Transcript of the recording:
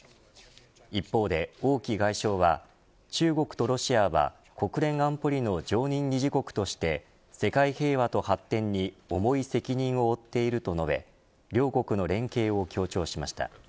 一方で王毅外相は中国とロシアは国連安保理の常任理事国として世界平和と発展に重い責任を負っていると述べ両国の連携を強調しました。